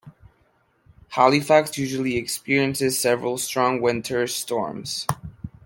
Halifax usually experiences several strong winter storms.